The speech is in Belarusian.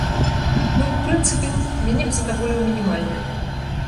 Ну, у прынцыпе, мяне б задаволіў мінімальны.